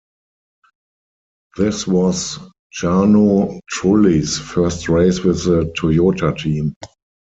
This was Jarno Trulli's first race with the Toyota team.